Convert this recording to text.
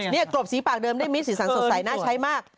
นี่กรบสีปากเดิมได้มีสีสันสดใสน่าใช้มาก